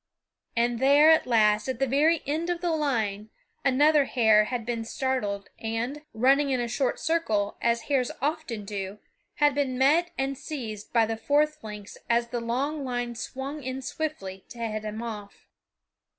And there, at last, at the very end of the line, another hare had been started and, running in a short circle, as hares often do, had been met and seized by the fourth lynx as the long line swung in swiftly to head him off.